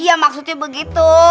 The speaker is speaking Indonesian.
iya maksudnya begitu